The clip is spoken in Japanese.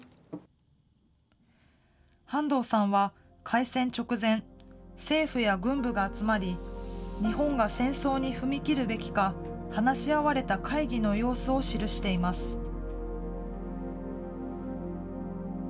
半藤さんは開戦直前、政府や軍部が集まり、日本が戦争に踏み切るべきか話し合われた会議の様子を記しています。